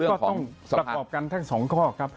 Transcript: ก็ต้องประกอบกันทั้งสองข้อครับ